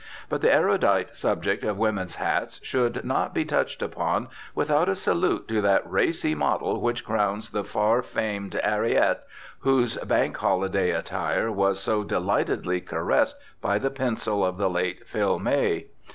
But the erudite subject of women's hats should not be touched upon without a salute to that racy model which crowns the far famed 'Arriet, whose Bank holiday attire was so delightedly caressed by the pencil of the late Phil May.